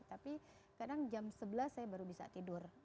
tapi kadang jam sebelas saya baru bisa tidur